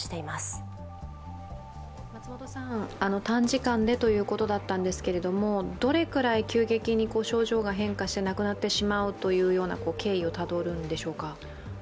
短時間でということだったんですけれども、どれくらい急激に症状が変化して亡くなってしまうというような経緯をたどるんでしょうか？